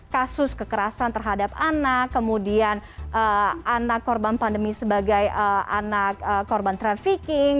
kasus kekerasan terhadap anak kemudian anak korban pandemi sebagai anak korban trafficking